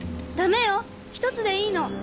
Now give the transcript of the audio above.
ダメよ１つでいいの。